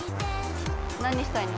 何したいの？